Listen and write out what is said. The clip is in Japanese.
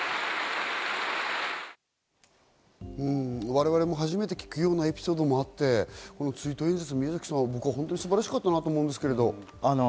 我々も初めて聞くようなエピソードもあって追悼演説、本当に素晴らしかったなと思うんですけど。